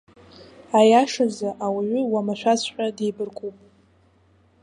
Аиашазы, ауаҩы уамашәаҵәҟьа деибаркуп.